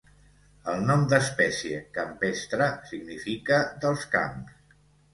El nom d'espècie "campestre" significa "dels camps".